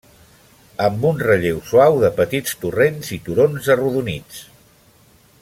Amb un relleu suau de petits torrents i turons arrodonits.